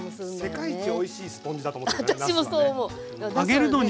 世界一おいしいスポンジだと思ってるなすはね。